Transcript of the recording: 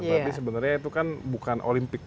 tapi sebenarnya itu kan bukan olimpik